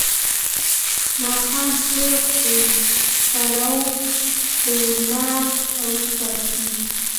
ماښام څه خورئ؟ پلاو، قورمه او سبزی